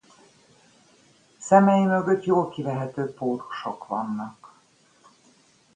Szemei mögött jól kivehető pórusok vannak.